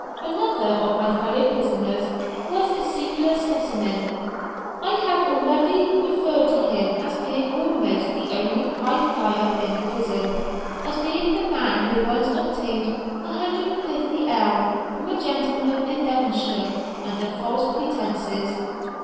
Another of my fellow prisoners was a singular specimen. I have already referred to him as being almost the only "highflyer" in the prison, as being the man who once obtained 150_l._ from a gentleman in Devonshire under false pretences.